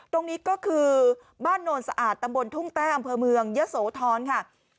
ตรงนี้ก็คือบ้านโนนสะอาดตำบลทุ่งแต้อำเภอเมืองเยอะโสธรค่ะ